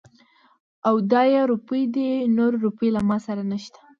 او دا يې روپۍ دي. نورې روپۍ له ما سره نشته.